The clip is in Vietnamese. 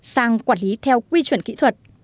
sang quản lý theo quy chuẩn kỹ thuật